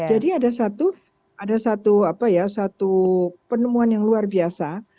jadi ada satu penemuan yang luar biasa